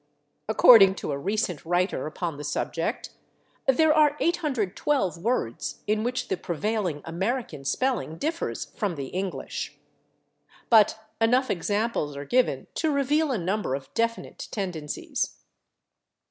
According to a recent writer upon the subject, "there are 812 words in which the prevailing American spelling differs from the English." But enough examples are given to reveal a number of definite tendencies.